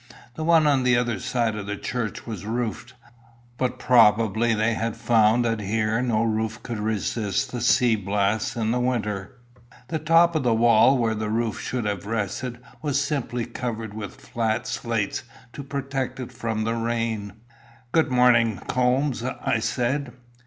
The one on the other side of the church was roofed, but probably they had found that here no roof could resist the sea blasts in winter. The top of the wall where the roof should have rested, was simply covered with flat slates to protect it from the rain. "Good morning, Coombes," I said.